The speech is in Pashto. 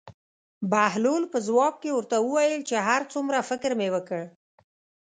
بهلول په ځواب کې ورته وویل چې هر څومره فکر مې وکړ.